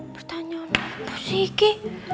pertanyaan apa sih ini